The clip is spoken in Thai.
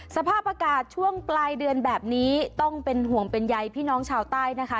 สภาพอากาศช่วงปลายเดือนแบบนี้ต้องเป็นห่วงเป็นใยพี่น้องชาวใต้นะคะ